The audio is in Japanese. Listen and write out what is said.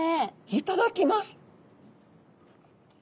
いただきます。